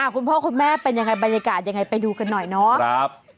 อ๋อคุณพ่อคุณแม่เป็นอย่างไรบรรยากาศไปดูกันหน่อยเนอะ